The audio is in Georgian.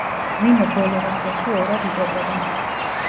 მღვიმე ბოლო ნაწილში ორად იტოტება.